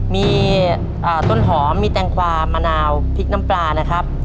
มีต้นหอมมีแตงกวามะนาวพริกน้ำปลานะครับ